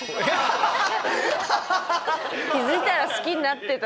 気づいたら好きになってた。